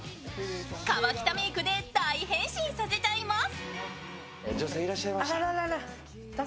河北メイクで大変身させちゃいます。